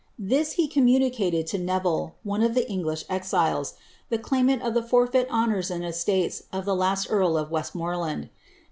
This he communicated to Neville, one of the English exiles, the claimant of the forfeit honours and esiates of the last earl of West mortland.